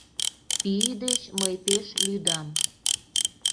Пий деч мый пеш лӱдам...